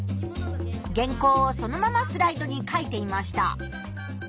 原稿をそのままスライドに書いていました。